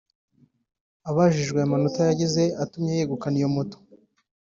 Abajijwe amanota yagize atumye yegukana iyi moto